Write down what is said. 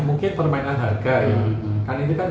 mungkin permainan permainan yang diperlukan